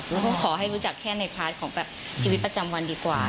กูคงขอให้รู้จักแค่ในแปลกของแบบชีวิตประจำวันดีกว่า